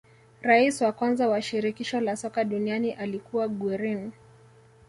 Rais wa kwanza wa shirikisho la soka duniani alikuwa guerin